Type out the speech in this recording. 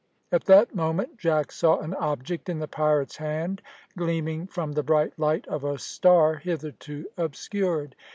At that moment Jack saw an object in the pirate's hand, gleaming from the bright light of a star hitherto obscured.